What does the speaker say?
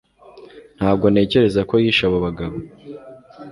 ntabwo ntekereza ko yishe abo bagabo